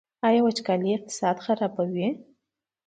آیا وچکالي اقتصاد خرابوي؟